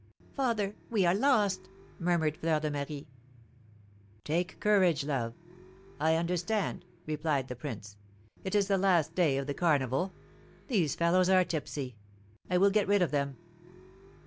"Father, we are lost!" murmured Fleur de Marie. "Take courage, love! I understand," replied the prince; "it is the last day of the carnival, these fellows are tipsy; I will get rid of them."